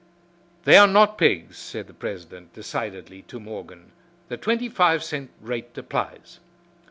"They are not pigs," said the president, decidedly, to Morgan. "The twenty five cent rate applies."